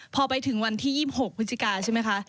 พอไปถึงวันที่๒๖พฤศจิกาใช่ไหมคะ